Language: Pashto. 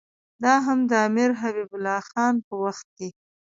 دا هم د امیر حبیب الله خان په وخت کې.